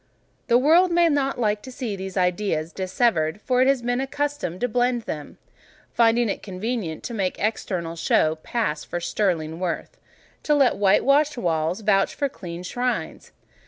The world may not like to see these ideas dissevered, for it has been accustomed to blend them; finding it convenient to make external show pass for sterling worth—to let white washed walls vouch for clean shrines.